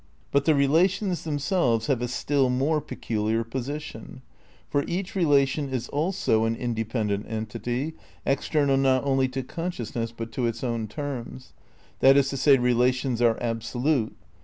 But the relations themselves have a still more peculiar position ; for each relation is also an independent entity, external not only to consciousness but to its own terms. That is to say relations are absolute.